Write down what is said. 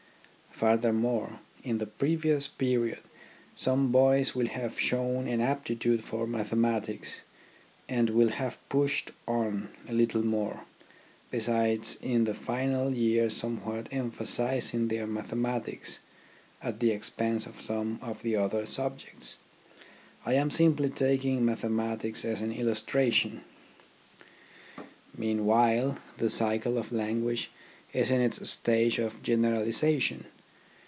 Furthermore, in the previous period some boys will have shown an aptitude for mathematics and will have pushed on a little more, besides in the final year somewhat emphasizing their mathematics at the expense of some of the other subjects. I am simply taking mathematics as an illustration. Meanwhile, the cycle of language is in its stage of generalization.